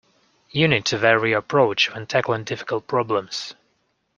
You need to vary your approach when tackling difficult problems.